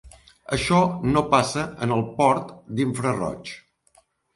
Això no passa en el port d'infraroig.